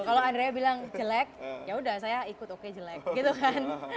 kalau andrea bilang jelek ya udah saya ikut oke jelek gitu kan